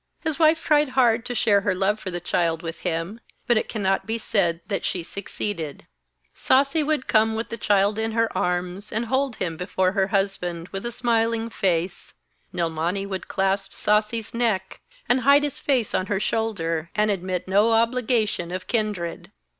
His wife tried hard to share her love for the child with him, but it cannot be said that she succeeded. Sasi would come with the child in her arms, and hold him before her husband with a smiling face Nilmani would clasp Sasi's neck, and hide his face on her shoulder, and admit no obligation of kindred.